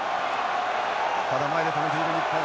ただ前で止めている日本。